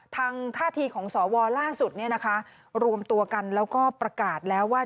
ท่าทีของสวล่าสุดเนี่ยนะคะรวมตัวกันแล้วก็ประกาศแล้วว่า